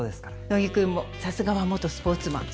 野木君もさすがは元スポーツマン。